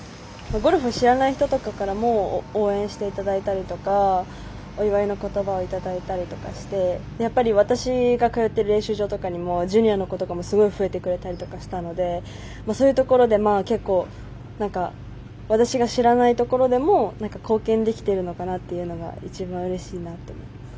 ゴルフを知らない人とかからも応援していただいたりとかお祝いのことばをいただいたりとかしてやっぱり私が通ってる練習場とかにもジュニアの子とかも、すごい増えてくれたりとかしたのでそういうところで、結構私が知らないところでも貢献できてるのかなというのが一番うれしいなと思います。